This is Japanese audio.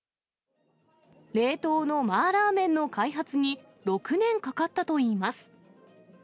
冷凍の麻辣麺の開発に６年かかったといいます。